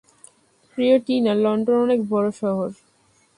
প্রিয় Tina, London অনেক বড় শহর।